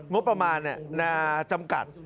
งบประมาณจำกัด